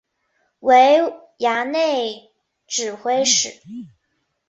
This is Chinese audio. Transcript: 为衙内指挥使。